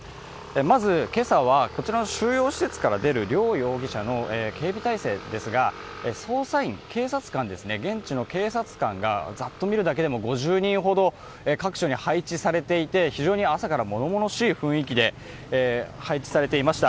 まず、今朝はこちらの収容施設から出る両容疑者の警備体制ですが、捜査員、現地の警察官がざっと見るだけでも５０人ほど各所に配置されていて非常に朝からものものしい雰囲気で配置されていました。